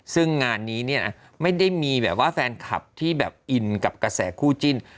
ซึ่งงานนี้เนี่ยนะไม่ได้มีแบบว่าแฟนคลับที่แบบอินกับกระแสคู่จิ้น